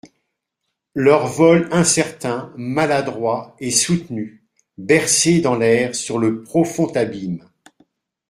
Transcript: Leur vol incertain, maladroit, est soutenu, bercé dans l'air sur le profond abîme.